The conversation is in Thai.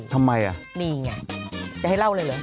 ทำไมล่ะมีอย่างไรจะให้เล่าเลยหรือ